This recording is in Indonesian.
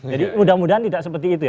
jadi mudah mudahan tidak seperti itu ya